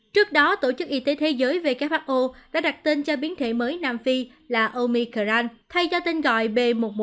trước đó tổ chức y tế thế giới who đã đặt tên cho biến thể mới nam phi là omicron thay cho tên gọi b một một năm trăm hai mươi chín